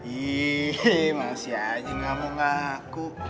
iih masih aja gak mau ngaku